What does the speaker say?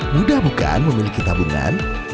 mudah bukan memiliki tabungan